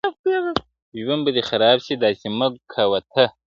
ه ژوند به دي خراب سي داسي مه كــوه تـه.